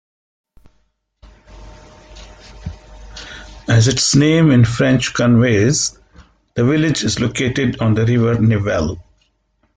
As its name in French conveys, the village is located on the river Nivelle.